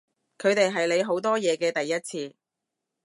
佢哋係你好多嘢嘅第一次